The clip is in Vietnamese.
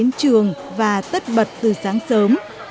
đến trường và tất bật từ sáng sớm